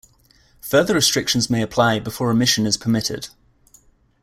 Further restrictions may apply before omission is permitted.